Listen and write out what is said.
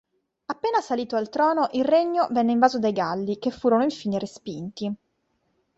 Appena salito al trono, il regno venne invaso dai galli, che furono infine respinti.